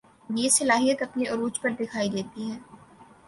یہ صلاحیت اپنے عروج پر دکھائی دیتی ہے